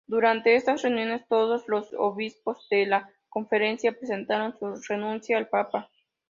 Durante estas reuniones, todos los obispos de la Conferencia presentaron su renuncia al Papa.